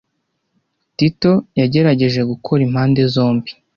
Tito yagerageje gukora impande zombi.